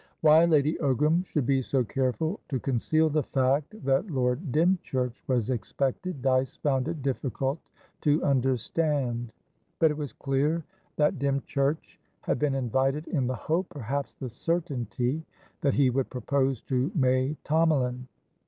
Why Lady Ogram should be so careful to conceal the fact' that Lord Dymchurch was expected, Dyce found it difficult to understand. But it was clear that Dymchurch had been invited in the hope, perhaps the certainty, that he would propose to May Tomalin.